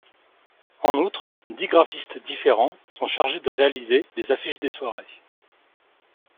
En outre, dix graphistes différents sont chargés de réaliser les affiches des soirées.